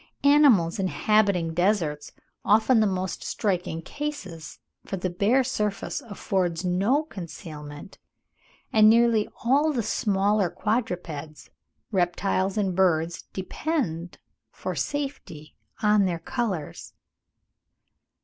Animals inhabiting deserts offer the most striking cases, for the bare surface affords no concealment, and nearly all the smaller quadrupeds, reptiles, and birds depend for safety on their colours.